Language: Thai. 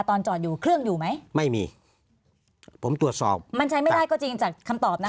ตอนจอดอยู่เครื่องอยู่ไหมไม่มีผมตรวจสอบมันใช้ไม่ได้ก็จริงจากคำตอบนะ